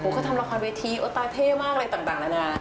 เขาทำละครเวทีตาเท่มากอะไรต่างแล้วนะ